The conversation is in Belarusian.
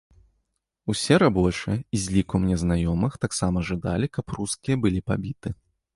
Усе рабочыя і з ліку мне знаёмых таксама жадалі, каб рускія былі пабіты.